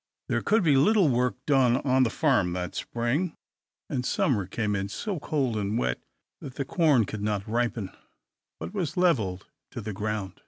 There could be little work done on the farm that spring; and summer came in so cold and wet that the corn could not ripen, but was levelled to the ground.